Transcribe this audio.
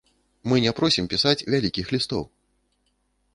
Мы не просім пісаць вялікіх лістоў.